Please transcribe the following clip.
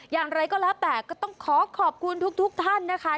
อย่างไรก็แล้วแต่ก็ต้องขอขอบคุณทุกท่านนะคะ